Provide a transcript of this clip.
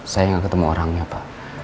saya nggak ketemu orangnya pak